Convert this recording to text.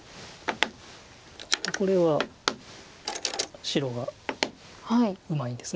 これは白がうまいんです。